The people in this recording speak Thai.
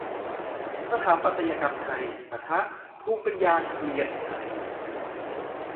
สถาปัตยกรรมไทย ปะทะ ภูมิปัญญาเกรียนไทย